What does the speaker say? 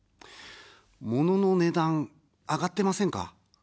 モノの値段、上がってませんか。